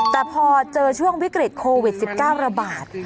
แต่พอเจอช่วงวิกฤตโควิด๑๙ระบาด